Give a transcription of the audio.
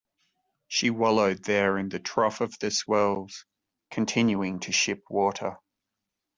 She wallowed there in the trough of the swells, continuing to ship water.